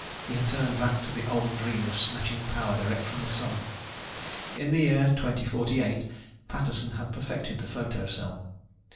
He had turned back to the old dream of snatching power direct from the Sun. In the year 2048 Patterson had perfected the photo cell.